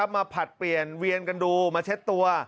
ผลัดเปลี่ยนเวียนกันดูมาเช็ดตัว